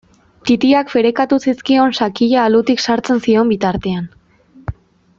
Titiak ferekatu zizkion sakila alutik sartzen zion bitartean.